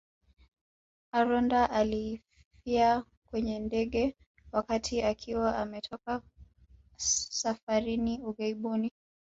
Aronda alifia kwenye ndege wakati akiwa ametoka safarini ughaibuni